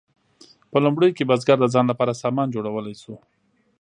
په لومړیو کې بزګر د ځان لپاره سامان جوړولی شو.